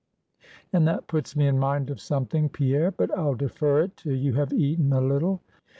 And that puts me in mind of something, Pierre; but I'll defer it till you have eaten a little.